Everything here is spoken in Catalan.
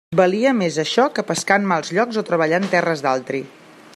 Valia més això que pescar en mals llocs o treballar en terres d'altri.